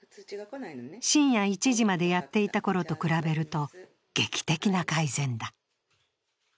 深夜１時までやっていた頃と比べると劇的な改善だ。